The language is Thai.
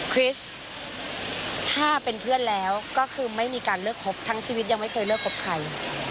คริสถ้าเป็นเพื่อนแล้วก็คือไม่มีการเลือกคบทั้งชีวิตยังไม่เคยเลือกคบใคร